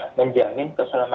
sebetulnya yang terjadi adalah